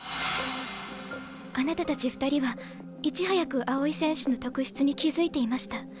あなたたち２人はいち早く青井選手の特質に気付いていました。